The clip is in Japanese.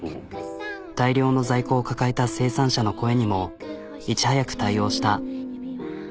大量の在庫を抱えた生産者の声にもいち早く対応した。